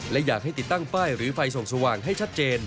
และอยากให้ติดตั้งป้ายหรือไฟส่องสว่างให้ชัดเจน